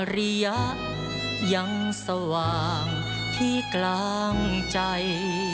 ระยะยังสว่างที่กลางใจ